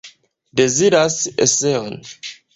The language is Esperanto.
Deziras eseon.